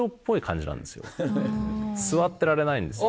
座ってられないんですよ。